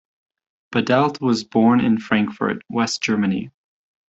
Badelt was born in Frankfurt, West Germany.